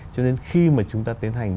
cho nên khi mà chúng ta tiến hành